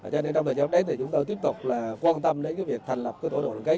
cho nên trong thời gian đến chúng tôi tiếp tục quan tâm đến việc thành lập tổ đội đoàn kết